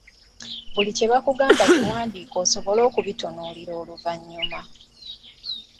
Buli kye bakugamba kiwandiike osobole okubitunuulira oluvannyuma.